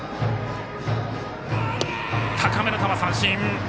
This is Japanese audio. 高めの球、三振！